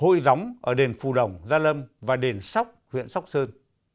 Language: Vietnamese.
hội gióng ở đền phù đồng gia lâm và đền sóc huyện sóc sơn